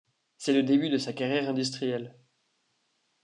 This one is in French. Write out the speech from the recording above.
C'est le début de sa carrière industrielle.